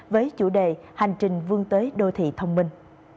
với chủ đề hành trình vương tới đô thị thông minh